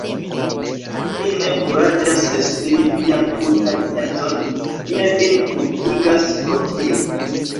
Vi ne kuraĝas esprimi vian tutan penson; mi ne vin kulpigas pro tio.